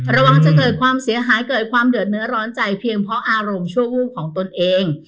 ระวังจะเกิดความเสียหายเกิดความเดือดเนื้อร้อนใจเพียงเพราะอารมณ์ชั่ววูบของตนเอง